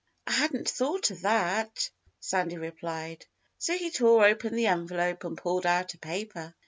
"I hadn't thought of that," Sandy replied. So he tore open the envelope and pulled out a paper.